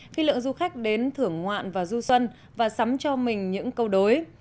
khi lượng du khách đến thưởng ngoạn và du xuân và sắm cho mình những câu đối